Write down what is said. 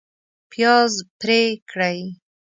پیاز پرې کړئ